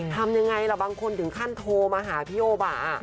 ทำยังไงล่ะบางคนถึงขั้นโทรมาหาพี่โอบะ